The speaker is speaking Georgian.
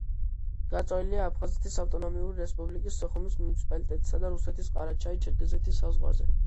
გაწოლილია აფხაზეთის ავტონომიური რესპუბლიკის სოხუმის მუნიციპალიტეტისა და რუსეთის ყარაჩაი-ჩერქეზეთის საზღვარზე.